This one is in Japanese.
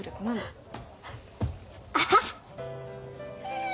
アハッ。